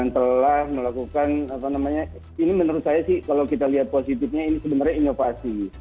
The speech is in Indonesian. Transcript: telah melakukan apa namanya ini menurut saya sih kalau kita lihat positifnya ini sebenarnya inovasi